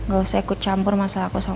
gak usah ikut campur masalah aku sama kakak